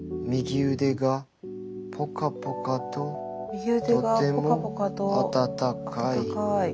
「右腕がポカポカと温かい」。